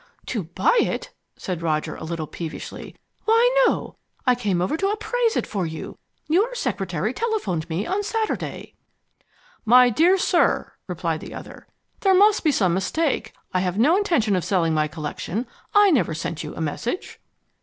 "To buy it?" said Roger, a little peevishly. "Why, no. I came over to appraise it for you. Your secretary telephoned me on Saturday." "My dear sir," replied the other, "there must be some mistake. I have no intention of selling my collection. I never sent you a message."